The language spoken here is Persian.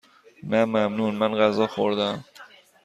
نه ممنون، من غذا خوردهام.